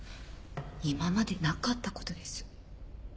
今までなかったことです。